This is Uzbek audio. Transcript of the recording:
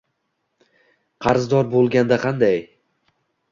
Qarzdor bo‘lganda qanday?